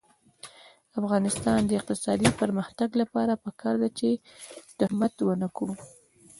د افغانستان د اقتصادي پرمختګ لپاره پکار ده چې تهمت ونکړو.